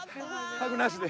ハグなしで。